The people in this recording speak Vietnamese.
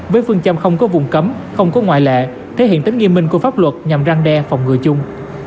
với phương châm không có vùng cấm không có ngoại lệ thể hiện tính nghiêm minh của pháp luật nhằm răng đe phòng ngừa chung